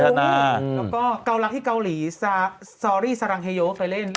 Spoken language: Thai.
เป็นการกระตุ้นการไหลเวียนของเลือด